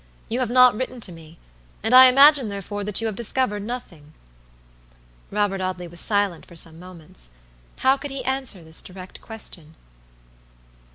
You have not written to me, and I imagine, therefore, that you have discovered nothing." Robert Audley was silent for some moments. How could he answer this direct question?